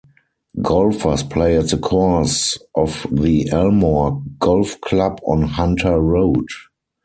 Golfers play at the course of the Elmore Golf Club on Hunter Road.